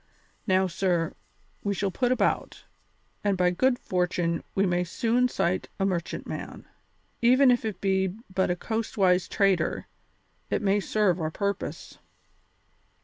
Now, sir, we shall put about, and by good fortune we may soon sight a merchantman. Even if it be but a coastwise trader, it may serve our purpose."